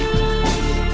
nào một trái đất